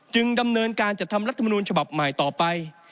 ดำเนินการจัดทำรัฐมนูลฉบับใหม่ต่อไป